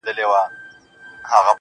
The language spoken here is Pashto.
• ستا له تصويره سره.